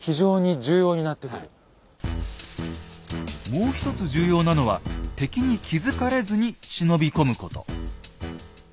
もう一つ重要なのは敵に気付かれずに忍び込むこと。